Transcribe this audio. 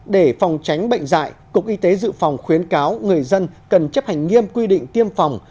để phòng tránh bệnh dạy cục y tế dự phòng khuyến cáo người dân cần chấp hành nghiêm quy định tiêm phòng